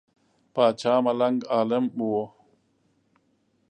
پاچا ملنګ عالم وو.